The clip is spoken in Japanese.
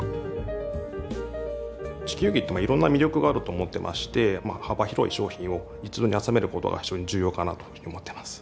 地球儀っていろんな魅力があると思ってまして幅広い商品を一堂に集めることが非常に重要かなというふうに思ってます。